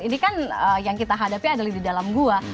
ini kan yang kita hadapi adalah di dalam gua